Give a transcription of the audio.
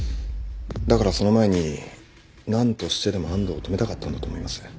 だからその前に何としてでも安藤を止めたかったんだと思います。